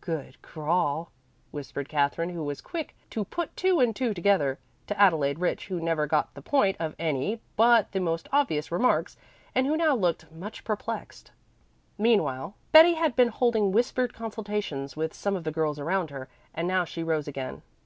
"Good crawl," whispered Katherine, who was quick to put two and two together, to Adelaide Rich, who never got the point of any but the most obvious remarks, and who now looked much perplexed. Meanwhile Betty had been holding whispered consultations with some of the girls around her, and now she rose again.